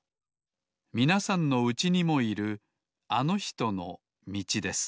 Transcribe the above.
みなさんのうちにもいるあのひとのみちです